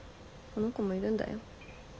この子もいるんだよ。